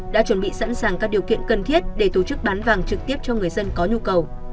đã chuẩn bị sẵn sàng các điều kiện cần thiết để tổ chức bán vàng trực tiếp cho người dân có nhu cầu